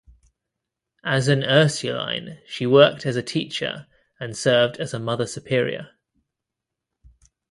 As an Ursuline, she worked as a teacher, and served as a Mother Superior.